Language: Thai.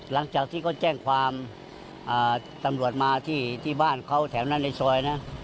หลังจากที่เขาแจ้งความตำรวจมาที่บ้านเขาแถวนั้นในซอยนะ